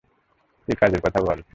তুই কাজের কথা বল।